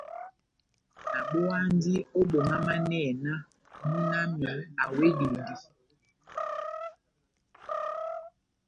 Nabowandi o bomamanɛhɛ nah muna wami awedindi.